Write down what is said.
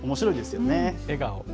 笑顔。